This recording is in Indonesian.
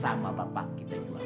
sama bapak kita jual berapa